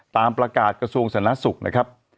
ตามประกาศกระทรวงสาธารณสุขนะครับ